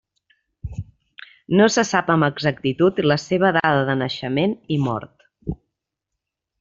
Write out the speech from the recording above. No se sap amb exactitud la seva dada de naixement i mort.